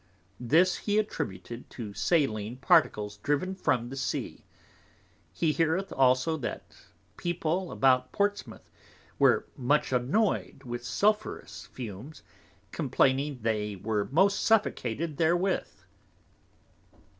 This he attributeth to Saline Particles driven from the Sea. He heareth also, that People about Portsmouth were much annoyed with sulphurous Fumes, complaining they were most suffocated therewith'.